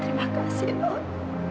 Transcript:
terima kasih non